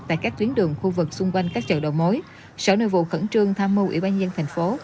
tại các tuyến đường khu vực xung quanh các chợ đầu mối sở nội vụ khẩn trương tham mưu ủy ban nhân thành phố